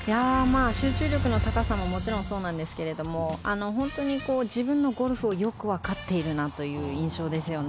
集中力の高さもそうですが本当に自分のゴルフがよくわかっているなという印象ですよね。